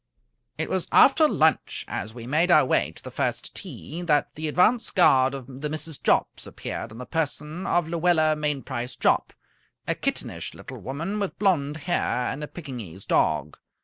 It was after lunch, as we made our way to the first tee, that the advance guard of the Mrs. Jopps appeared in the person of Luella Mainprice Jopp, a kittenish little woman with blond hair and a Pekingese dog.